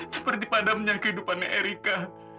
seperti pada punya kehidupan erika